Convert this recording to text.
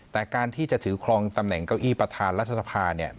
แต่การที่จะถือครองตำแหน่งเก้าอี้ประธานรัฐสภาเนี่ย